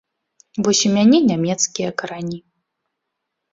Вось у мяне нямецкія карані.